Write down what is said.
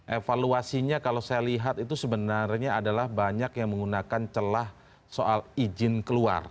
evaluasinya kalau saya lihat itu sebenarnya adalah banyak yang menggunakan celah soal izin keluar